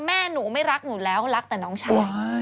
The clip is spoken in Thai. แม่หนูไม่รักหนูแล้วรักแต่น้องชาย